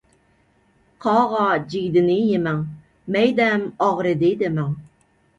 قاغا جىگدىنى يىمەڭ، مەيدەم ئاغرىدى دىمەڭ.